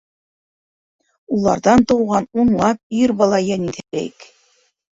Уларҙан тыуған унлап ир бала йәнен иҫәпләйек.